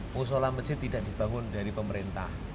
musola masjid tidak dibangun dari pemerintah